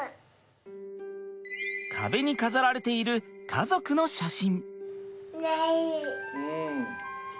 壁に飾られている家族の写真。